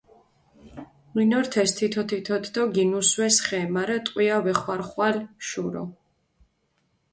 მინორთეს თითო-თითოთ დო გინუსვეს ხე, მარა ტყვია ვეხვარხვალ შურო.